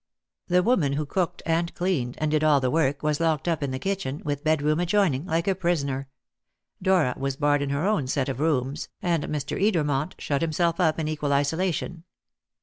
The woman who cooked and cleaned, and did all the work, was locked up in the kitchen, with bedroom adjoining, like a prisoner; Dora was barred in her own set of rooms, and Mr. Edermont shut himself up in equal isolation.